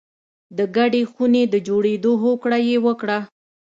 د ګډې خونې د جوړېدو هوکړه یې وکړه